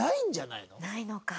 ないのか。